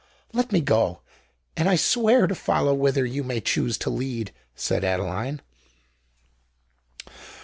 "Let me go—and I swear to follow whither you may choose to lead," said Adeline.